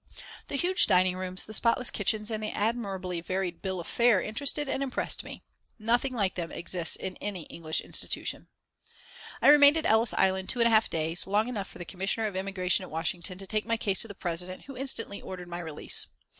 The huge dining rooms, the spotless kitchens and the admirably varied bill of fare interested and impressed me. Nothing like them exists in any English institution. I remained at Ellis Island two and a half days, long enough for the Commissioner of Immigration at Washington to take my case to the President who instantly ordered my release.